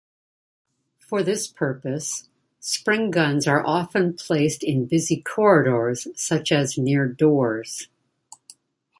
For this purpose, spring-guns are often placed in busy corridors such as near doors.